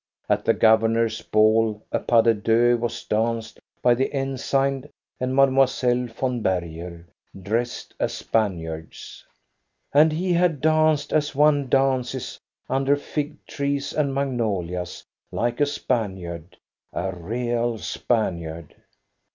At the governor's ball a pas de deux was danced by the ensign and Mile, von Berger, dressed as Spaniards. And he had danced as one dances under fig trees and magnolias, like a Spaniard, — a real Spaniard.